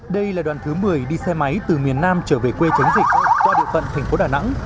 đây là đoàn thứ một mươi đi xe máy từ miền nam trở về quê chống dịch qua địa phận thành phố đà nẵng